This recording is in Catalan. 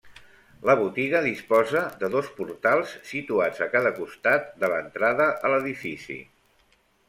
La botiga disposa de dos portals situats a cada costat de l'entrada a l'edifici.